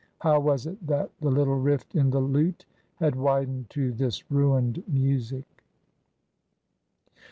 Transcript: How was it that the little rift in the lute had widened to this ruined music